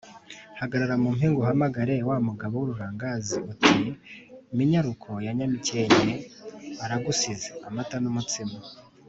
Hagarara mu mpinga uhamagare wa mugabo w'ururangazi uti Minyaruko ya Nyamikenke aragusize-Amata n'umutsima.